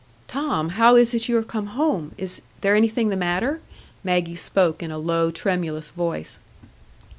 "Tom, how is it you are come home? Is there anything the matter?" Maggie spoke in a low, tremulous voice.